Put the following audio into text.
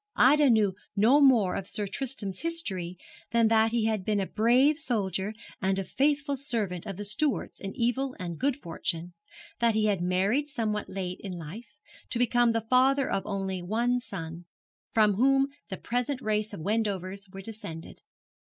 Ida knew no more of Sir Tristram's history than that he had been a brave soldier and a faithful servant of the Stuarts in evil and good fortune; that he had married somewhat late in life, to become the father of an only son, from whom the present race of Wendovers were descended.